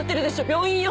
病院よ。